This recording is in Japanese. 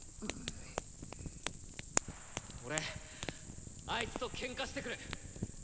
俺あいつとケンカしてくる！